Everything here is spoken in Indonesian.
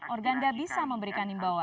organda bisa memberikan imbauan